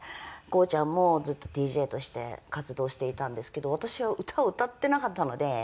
ＫＯＯちゃんもずっとＤＪとして活動していたんですけど私は歌を歌ってなかったので。